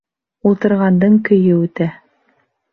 Ултырғандың көйө үтә.